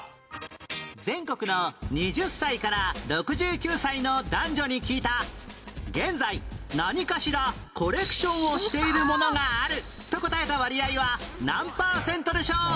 全国の２０歳から６９歳の男女に聞いた現在何かしらコレクションをしているものがあると答えた割合は何パーセントでしょう？